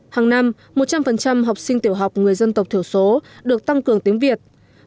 hàng năm một trăm linh học sinh tiểu học người dân tộc thiểu số được tăng cường tiếng việt